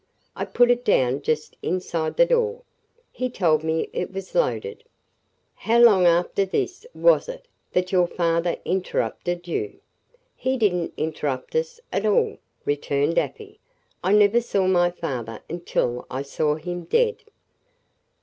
I put it down just inside the door. He told me it was loaded." "How long after this was it, that your father interrupted you?" "He didn't interrupt us at all," returned Afy. "I never saw my father until I saw him dead."